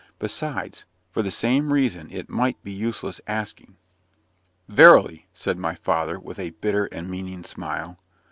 Besides, for the same reason, it might be useless asking." "Verily!" said my father, with a bitter and meaning smile.